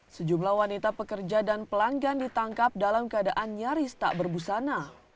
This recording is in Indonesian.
sejumlah wanita pekerja dan pelanggan ditangkap dalam keadaan nyaris tak berbusana